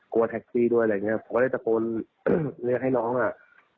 แท็กซี่ด้วยอะไรอย่างเงี้ยผมก็ได้ตะโกนเรียกให้น้องอ่ะ